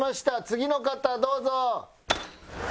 次の方どうぞ。